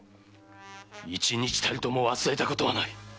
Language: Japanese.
一日たりとも忘れたことはない！